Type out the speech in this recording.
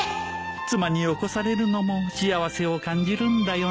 妻に起こされるのも幸せを感じるんだよな